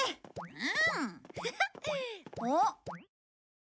うん？